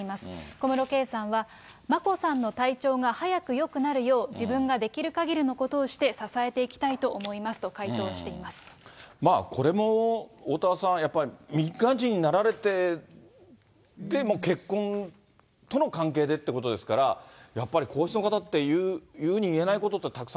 小室圭さんは、眞子さんの体調が早くよくなるよう、自分ができるかぎりのことをして支えていきたいと思いますと回答これもおおたわさん、民間人になられて、もう結婚との関係でってということですから、やっぱり皇室の方って、言うに言えないことって、